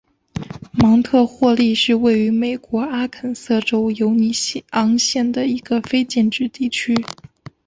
芒特霍利是位于美国阿肯色州犹尼昂县的一个非建制地区。